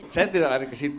saya tidak lari ke situ